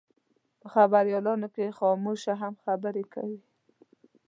په خبریالانو کې خاموشه هم خبرې کوي.